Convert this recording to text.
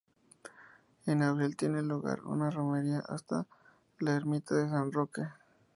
En abril tiene lugar una romería hasta la ermita de San Roque.